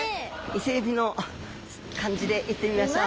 イセエビの感じで行ってみましょう。